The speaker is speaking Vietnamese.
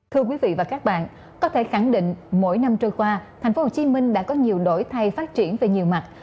thưa quý vị và các bạn có thể khẳng định mỗi năm trôi qua thành phố hồ chí minh đã có nhiều đổi thay phát triển về nhiều mặt